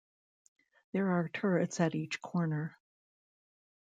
There are turrets at each corner.